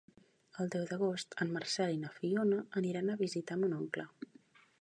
El deu d'agost en Marcel i na Fiona aniran a visitar mon oncle.